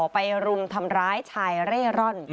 รุมทำร้ายชายเร่ร่อน